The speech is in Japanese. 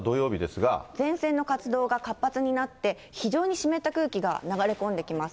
前線の活動が活発になって、非常に湿った空気が流れ込んできます。